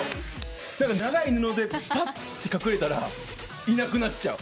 長い布でパッと隠れたらいなくなっちゃう。